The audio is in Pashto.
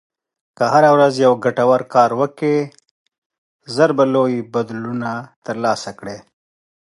که هره ورځ یو ګټور کار وکړې، ژر به لوی بدلونونه ترلاسه کړې.